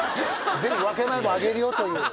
ぜひ分け前もあげるよという。